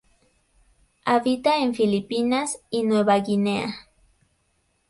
Habita en Filipinas y Nueva Guinea.